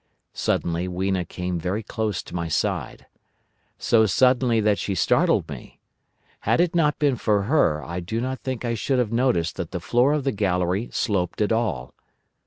"Suddenly Weena came very close to my side. So suddenly that she startled me. Had it not been for her I do not think I should have noticed that the floor of the gallery sloped at all.